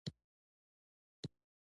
اداري مقررات د خدمت د معیارونو ټاکنه کوي.